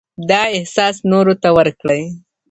دا احساس نورو ته ورکړئ.